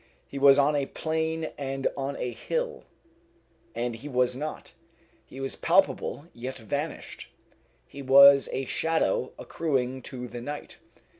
He was on a plain and on a hill, and he was not. He was palpable, yet vanished. He was a shadow accruing to the night.